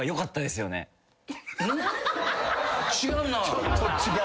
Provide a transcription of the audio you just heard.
違うな。